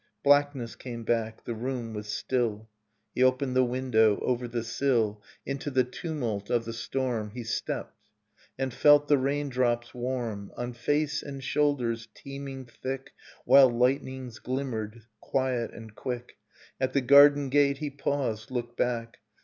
Blackness came back. The room was still. He opened the window. Over the sill, Into the tumult of the storm, Nocturne of Remembered Spring He stepped and felt the rain drops, warm, On face and shoulders teeming thick While lightnings glimmered, quiet and quick. At the garden gate he paused, looked back.